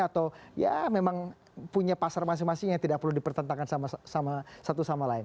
atau ya memang punya pasar masing masing yang tidak perlu dipertentangkan satu sama lain